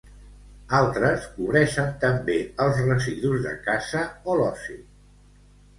Altres cobreixen també els residus de casa o l'oci.